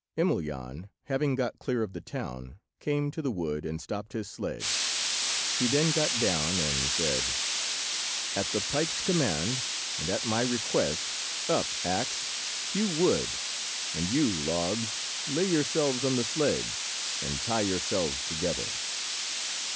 Emelyan, having got clear of the town, came to the wood, and stopped his sledge. He then got down, and said— "At the pike's command, and at my request, up, axe, hew wood; and you, logs, lay yourselves on the sledge, and tie yourselves together."